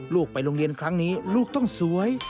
ลูกไปโรงเรียนครั้งนี้ลูกต้องสวย